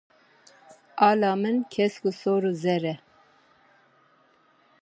Artêşa Tirkiyeyê navendên leşkerî li Cindirêsê û Xezêwiyê datîne.